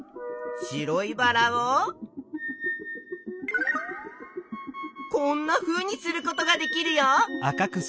白いバラをこんなふうにすることができるよ！